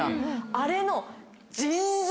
あれの。